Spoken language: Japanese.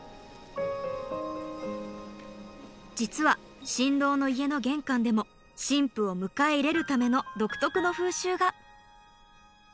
実は新郎の家の玄関でも新婦を迎え入れるための独特の風習が。